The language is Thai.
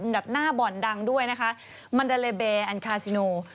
แบบหน้าบ่อนดังด้วยนะคะมันเดลเบร์และคาซินู